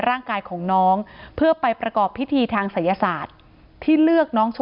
ร่างกายของน้องเพื่อไปประกอบพิธีทางศัยศาสตร์ที่เลือกน้องชว